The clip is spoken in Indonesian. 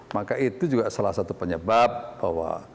maka itu juga salah satu penyebab bahwa